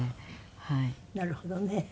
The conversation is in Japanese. なるほどね。